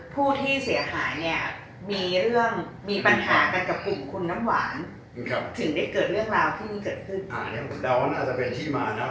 ผู้ที่เสียหายมีปัญหากับกลุ่มคุณหวาน